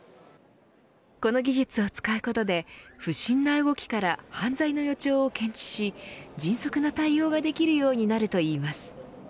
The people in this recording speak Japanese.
この技術を使うことで不審な動きから犯罪の予兆を検知し迅速な対応ができるようになるといいます。